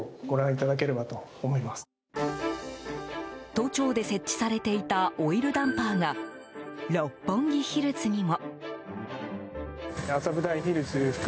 都庁で設置されていたオイルダンパーが六本木ヒルズにも。